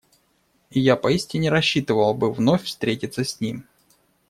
И я поистине рассчитывал бы вновь встретиться с ним.